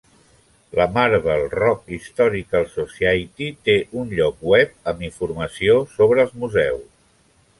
La Marble Rock Historical Society té un lloc web amb informació sobre els museus.